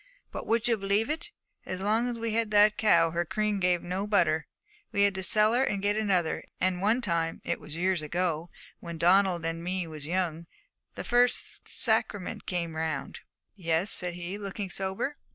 But would you believe it? as long as we had that cow her cream gave no butter. We had to sell her and get another. And one time it was years ago, when Donald and me was young the first sacrament came round ' 'Yes,' said he, looking sober.